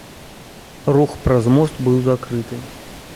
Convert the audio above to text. Рух праз мост быў закрыты.